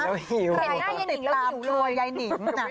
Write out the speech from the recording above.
เห็นหน้ายายนิงแล้วอยู่เลย